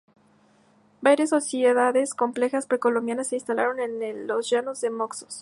Varias sociedades complejas precolombinas se instalaron en los Llanos de Moxos.